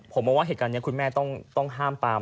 ผมมองว่าเหตุการณ์นี้คุณแม่ต้องห้ามปาม